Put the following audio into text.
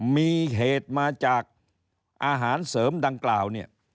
มีเหตุมาจากอาหารเสริมดังกล่าวเนี่ย